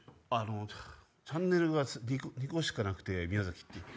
チャンネルが２個しかなくて宮崎って。